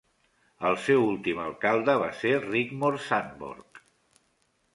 El seu últim alcalde va ser Rigmor Sandborg.